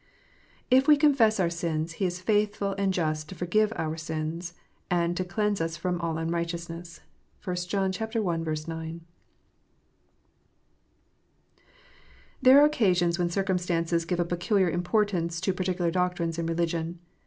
" If ive confer our sins, He is faithful and just toforyive us our sins, and to cleanse us from all unrighteousness. " 1 Joiix i. 9. THERE arc occasions when circumstances give a peculiar im portance to particular doctrines in religion.